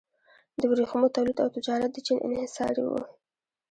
د ورېښمو تولید او تجارت د چین انحصاري و.